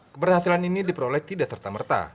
keberhasilan ini diperoleh tidak serta merta